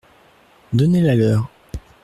Donnez-la-leur.